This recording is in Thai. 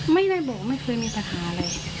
ไม่ได้บอกไม่เคยมีปัญหาอะไร